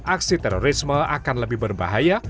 aksi terorisme akan lebih berbahaya